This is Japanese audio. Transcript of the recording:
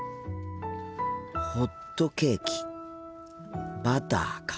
ホットケーキバターか。